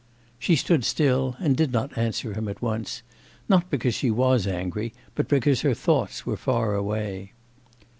She stood still and did not answer him at once not because she was angry, but because her thoughts were far away.